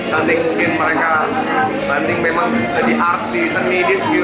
hunting mungkin mereka hunting memang jadi artis seni dis gitu